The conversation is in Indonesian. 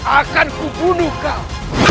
akanku bunuh kau